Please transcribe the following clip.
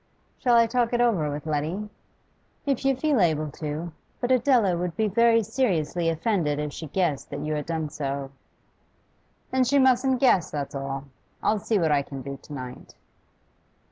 'Shall I talk it over with Letty?' 'If you feel able to. But Adela would be very seriously offended if she guessed that you had done so.' 'Then she mustn't guess, that's all. I'll see what I can do to night.